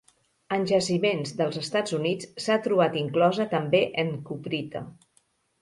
En jaciments dels Estats Units s'ha trobat inclosa també en cuprita.